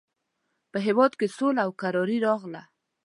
په هېواد کې سوله او کراري راغله.